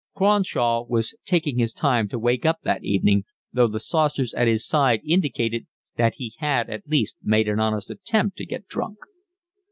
Cronshaw was taking his time to wake up that evening, though the saucers at his side indicated that he had at least made an honest attempt to get drunk.